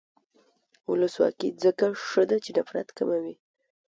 ولسواکي ځکه ښه ده چې نفرت کموي.